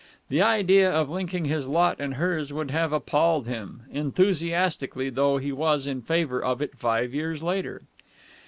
The idea of linking his lot with hers would have appalled him, enthusiastically though he was in favour of it five years later.